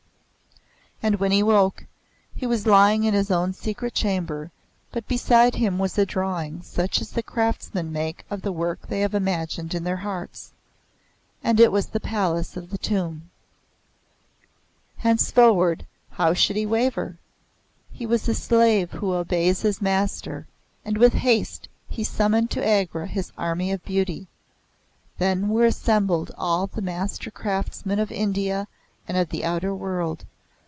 And when he awoke, he was lying in his own secret chamber, but beside him was a drawing such as the craftsmen make of the work they have imagined in their hearts. And it was the Palace of the Tomb. Henceforward, how should he waver? He was as a slave who obeys his master, and with haste he summoned to Agra his Army of Beauty. Then were assembled all the master craftsmen of India and of the outer world.